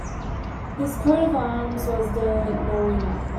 His coat of arms was the Nowina.